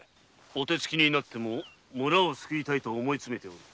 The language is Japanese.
お手つきになっても村を救いたいと思いつめている。